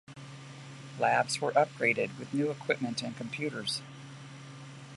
Labs were upgraded with new equipment and computers.